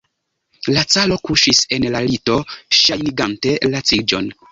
La caro kuŝis en la lito, ŝajnigante laciĝon.